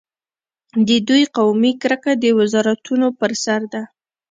د دوی قومي کرکه د وزارتونو پر سر ده.